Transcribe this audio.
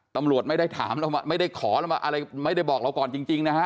ตำรวจไม่ได้ขอเราก่อนจริงนะฮะ